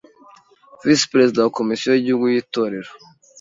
Visi Perezida wa Komisiyo y’Igihugu y’Itorero